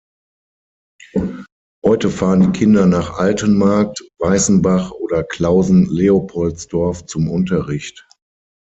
Heute fahren die Kinder nach Altenmarkt, Weissenbach oder Klausen-Leopoldsdorf zum Unterricht.